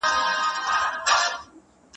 کبابي په خپلو خبرو کې د ډرامې کیسه کوله.